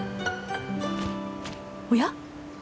おや！？